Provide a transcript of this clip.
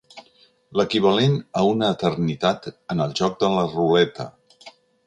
L'equivalent a una eternitat en el joc de la ruleta.